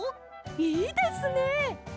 いいですね！